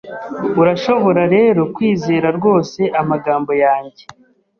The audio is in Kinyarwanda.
Urashobora rero kwizera rwose amagambo yanjye